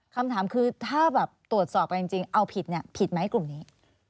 คำถามคือถ้าแบบตรวจสอบกันจริงเอาผิดเนี่ยผิดผิดไหมกลุ่มนี้